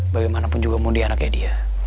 bagaimanapun juga mundi anaknya dia